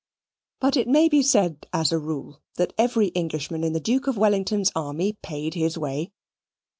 But it may be said as a rule, that every Englishman in the Duke of Wellington's army paid his way.